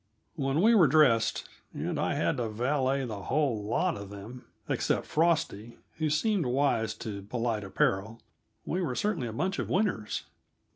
When we were dressed and I had to valet the whole lot of them, except Frosty, who seemed wise to polite apparel we were certainly a bunch of winners.